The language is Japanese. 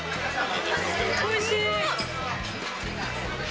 おいしい。